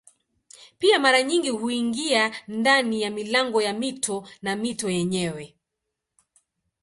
Pia mara nyingi huingia ndani ya milango ya mito na mito yenyewe.